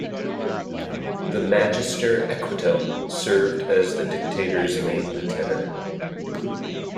The Magister Equitum served as the Dictator's main lieutenant.